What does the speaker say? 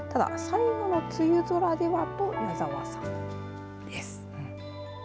ただ、最後の梅雨空ではと矢澤さんです。